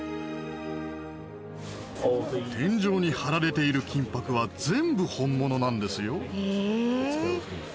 天井に貼られている金箔は全部本物なんですよ。へ。